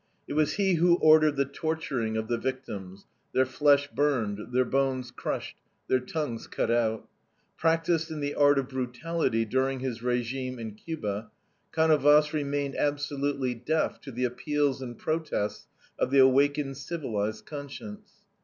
It was he who ordered the torturing of the victims, their flesh burned, their bones crushed, their tongues cut out. Practiced in the art of brutality during his regime in Cuba, Canovas remained absolutely deaf to the appeals and protests of the awakened civilized conscience.